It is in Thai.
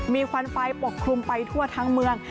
มีควันไฟปกคลุมไปทั่วทั้งเมือง